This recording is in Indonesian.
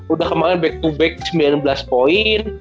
udah kemarin back to back sembilan belas poin